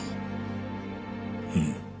うん。